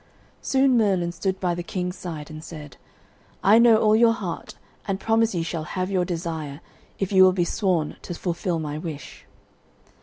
Soon Merlin stood by the king's side and said: "I know all your heart, and promise ye shall have your desire, if ye will be sworn to fulfil my wish."